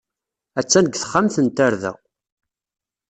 Attan deg texxamt n tarda.